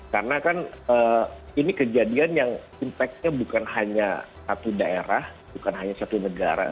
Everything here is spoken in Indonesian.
karena kan ini kejadian yang impactnya bukan hanya satu daerah bukan hanya satu negara